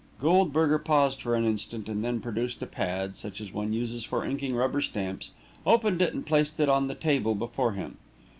Goldberger paused for an instant, and then produced a pad, such as one uses for inking rubber stamps, opened it and placed it on the table before him.